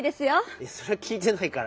いやそれはきいてないから。